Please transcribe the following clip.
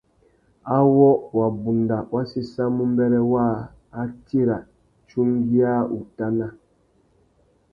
Awô wabunda wa séssamú mbêrê waā, a tira tsungüiawutana.